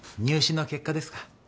入試の結果ですか？